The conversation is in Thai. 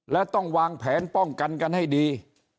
และต้องวางแผนป้องกันกันให้ดี